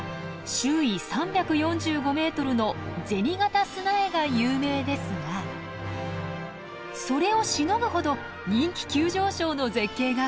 周囲３４５メートルの銭形砂絵が有名ですがそれをしのぐほど人気急上昇の絶景があるんです。